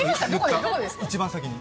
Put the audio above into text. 一番先に。